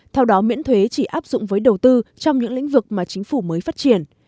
theo đó miễn thuế chỉ áp dụng với đầu tư trong những lĩnh vực mà chính phủ mới phát triển